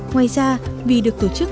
ngoài ra vì được tổ chức